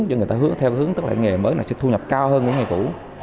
chứ người ta theo hướng tức là nghề mới này sẽ thu nhập cao hơn những nghề cũ